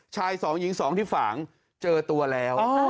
๒หญิง๒ที่ฝางเจอตัวแล้ว